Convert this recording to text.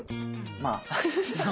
まあ。